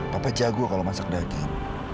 papa jago kalau masak daging